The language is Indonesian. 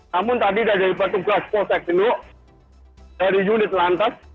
namun tadi dari batu gas kosek bino dari unit lantas